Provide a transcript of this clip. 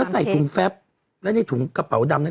ใส่ถุงแฟบและในถุงกระเป๋าดำนั้น